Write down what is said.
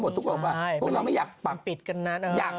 พวกเราไม่อยากปับปิดกันนะ